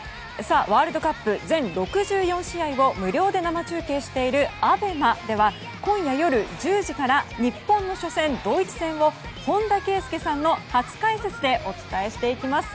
ワールドカップ全６４試合を無料で生中継しているＡＢＥＭＡでは今夜、夜１０時から日本の初戦ドイツ戦を本田圭佑さんの初解説でお伝えしていきます。